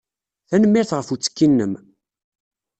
Tanemmirt ɣef uttekki-nnem.